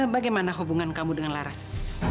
bagaimana hubungan kamu dengan laras